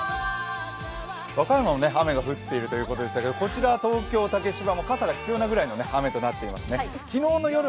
和歌山も雨が降っているということでしたがこちら東京・竹芝も傘が必要なくらいの雨となっていますね。